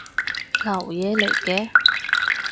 流嘢嚟嘅